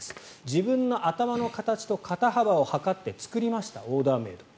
自分の頭の形と肩幅を測って作りましたオーダーメイド。